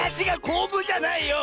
こぶじゃないよ！